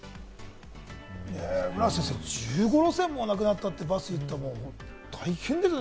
村瀬先生、１５路線もなくなったって、バス、大変ですね。